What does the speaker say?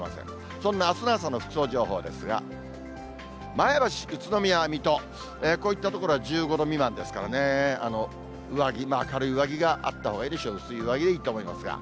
そんなあすの朝の服装情報ですが、前橋、宇都宮、水戸、こういった所は１５度未満ですからね、上着、軽い上着があったほうがいいでしょう、薄い上着がいいと思いますが。